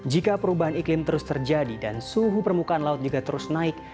jika perubahan iklim terus terjadi dan suhu permukaan laut juga terus naik